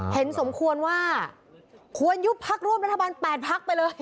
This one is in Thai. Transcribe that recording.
เห็นสมควรว่าควรยุบพักร่วมรัฐบาล๘พักไปเลย